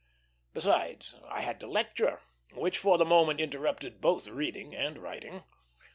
Besides, I had to lecture, which for the moment interrupted both reading and writing.